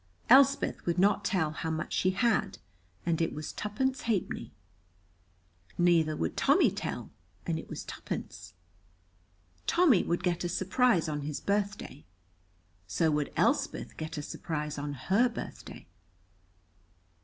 Elspeth would not tell how much she had, and it was twopence halfpenny. Neither would Tommy tell, and it was twopence. Tommy would get a surprise on his birthday. So would Elspeth get a surprise on her birthday.